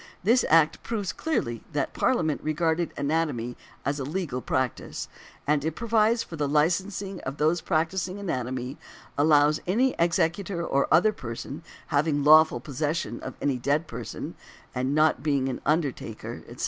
This Act proves clearly that Parliament regarded anatomy as a legal practice, and it provides for the licensing of those practising anatomy, allows any executor or other person, having lawful possession of any dead person (and not being an undertaker, etc.)